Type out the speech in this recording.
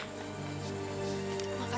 ini pasti mobil yang mbak lila